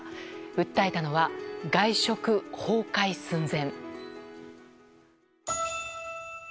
訴えたのは「外食崩壊寸前」。